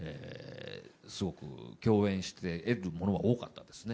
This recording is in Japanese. すごく共演して得るものは多かったですね。